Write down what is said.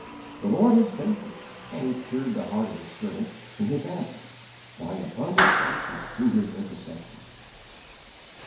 The Lord is faithful, and He cheered the heart of His servant in his absence by abundant answers to his intercessions.